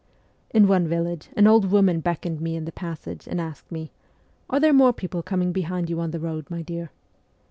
In one village an old woman beckoned me in the passage and asked me :' Are there more people coming behind you on the road, my dear?'